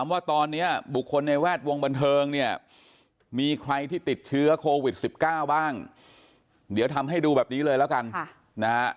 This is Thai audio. มีใครที่ติดเชื้อโควิด๑๙บ้างเดี๋ยวทำให้ดูแบบนี้เลยแล้วกัน